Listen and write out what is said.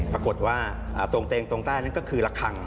ปรากฏว่าโต่งเตงโต่งใต้นั่นก็คือหลักคัง